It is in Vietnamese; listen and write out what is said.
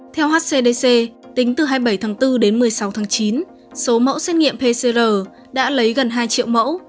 theo hcdc tính từ hai mươi bảy tháng bốn đến một mươi sáu tháng chín số mẫu xét nghiệm pcr đã lấy gần hai triệu mẫu